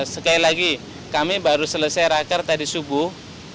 sekali lagi kami baru selesai raker tadi subuh